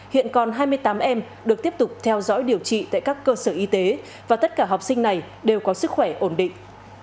hiện còn hai mươi tám em được tiếp tục theo dõi điều trị tại các cơ sở y tế và tất cả học sinh này đều có sức khỏe ổn định